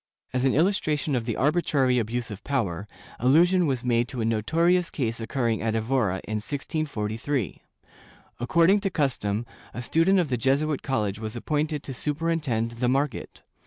^ As an illustration of the arbitrary abuse of power, allusion was made to a notorious case occurring at Evora, in 1643. Accord ing to custom, a student of the Jesuit college was appointed to superintend the market.